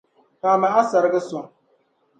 Paami a sariga sɔŋ.